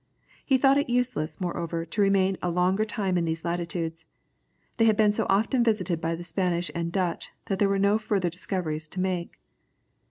He thought it useless, moreover, to remain a longer time in these latitudes. They had been so often visited by the Spanish and Dutch, that there were no further discoveries to make.